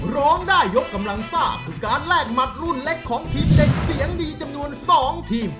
ร้องได้ยกกำลังซ่าคือการแลกหมัดรุ่นเล็กของทีมเด็กเสียงดีจำนวน๒ทีม